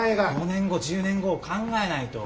５年後１０年後を考えないと。